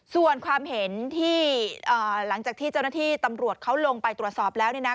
ส่วนความเห็นที่หลังจากที่เจ้าหน้าที่ตำรวจเขาลงไปตรวจสอบแล้วเนี่ยนะ